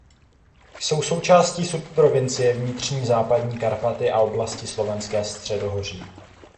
Jsou součástí subprovincie Vnitřní Západní Karpaty a oblasti Slovenské středohoří.